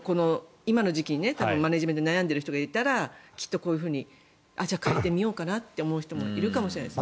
今の時期にマネジメントに悩んでる人がいたらきっとこういうふうにじゃあ変えてみようかなって人もいるかもしれないですね。